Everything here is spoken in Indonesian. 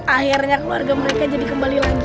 akhirnya keluarga mereka jadi kembali lagi